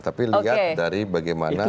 tapi lihat dari bagaimana